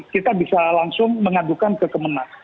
kita bisa langsung mengadukan ke kemenang